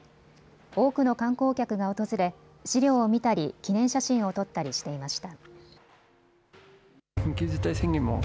多くの観光客が訪れ資料を見たり記念写真を撮ったりしていました。